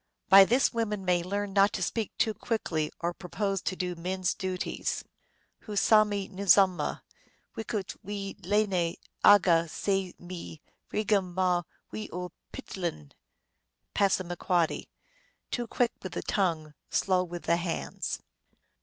By this women may learn not to speak too quickly, or propose to do men s duties. "Hu sami nzama wiuch wee lei n aga samee ri gamma wiool petin l." (P. " Too quick with the tongue, slow with the hands."